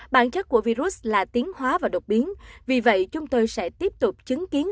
bản chất của virus là tiến hóa và độc biến vì vậy chúng tôi sẽ tiếp tục chứng kiến